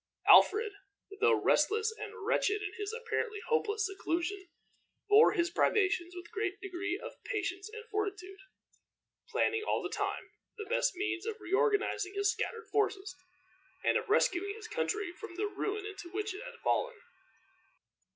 Alfred, though restless and wretched in his apparently hopeless seclusion, bore his privations with a great degree of patience and fortitude, planning, all the time, the best means of reorganizing his scattered forces, and of rescuing his country from the ruin into which it had fallen.